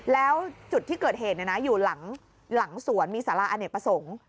แล้วจุดที่เกิดเหตุอยู่หลังสวนมีสาระอเนกประสงค์